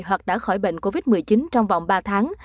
hoặc đã khỏi bệnh covid một mươi chín trong vòng ba tháng